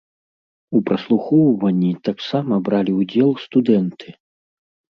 У праслухоўванні таксама бралі ўдзел студэнты.